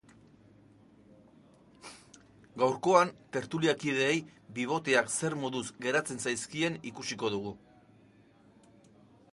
Gaurkoan, tertuliakideei biboteak zer moduz geratzen zaizkien ikusiko dugu!